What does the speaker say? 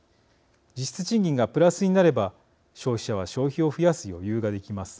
実質賃金がプラスになれば消費者は消費を増やす余裕ができます。